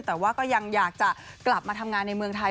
แต่ว่าก็ยังอยากจะกลับมาทำงานในเมืองไทย